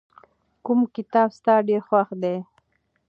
کوم کتاب ستا ډېر خوښ دی؟